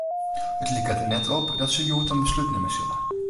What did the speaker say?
It liket der net op dat se hjoed in beslút nimme sille.